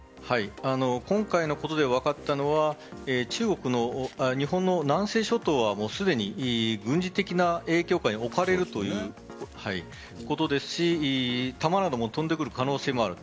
今回のことで分かったのは中国の日本の南西諸島はすでに軍事的な影響下に置かれるということですし弾なども飛んでくる可能性がある。